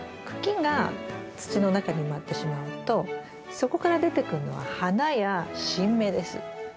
茎が土の中に埋まってしまうとそこから出てくるのは花や新芽です。